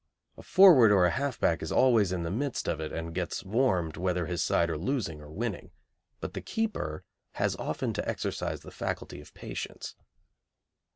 A forward or a half back is always in the midst of it, and gets warmed whether his side are losing or winning, but the keeper has often to exercise the faculty of patience.